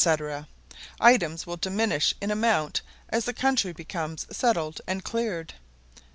items which will diminish in amount as the country becomes settled and cleared.